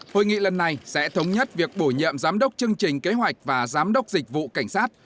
hội nghị lần này sẽ thống nhất việc bổ nhiệm giám đốc chương trình kế hoạch và giám đốc dịch vụ cảnh sát